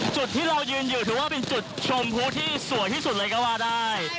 จุดที่เรายืนอยู่ถือว่าเป็นจุดชมพูที่สวยที่สุดเลยก็ว่าได้